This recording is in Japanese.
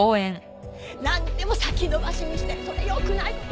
なんでも先延ばしにしてそれ良くない事よ！